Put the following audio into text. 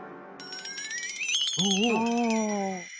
おお。